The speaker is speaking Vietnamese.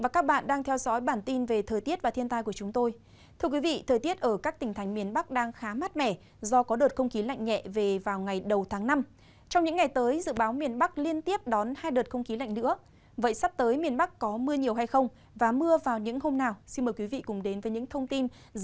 cảm ơn các bạn đã theo dõi